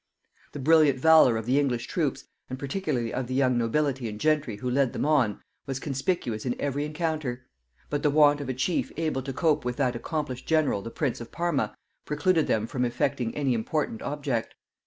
The brilliant valor of the English troops, and particularly of the young nobility and gentry who led them on, was conspicuous in every encounter; but the want of a chief able to cope with that accomplished general the prince of Parma, precluded them from effecting any important object.